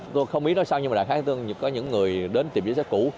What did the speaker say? tôi không biết nói sao nhưng mà đặc khái tôi có những người đến tìm sách cũ